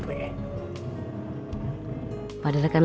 padahal kan lebih baiknya saya mencari makam fauzi